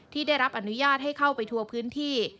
ได้รับอนุญาตให้เข้าไปทัวร์พื้นที่